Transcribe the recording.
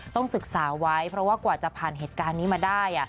ต้องศึกษาไว้เพราะว่ากว่าจะผ่านเหตุการณ์นี้มาได้